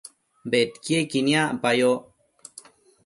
bedquiequi niacpayoc